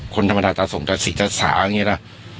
คนธรรมดาตราสงสัยศรีศาสตร์อย่างนี้ล่ะ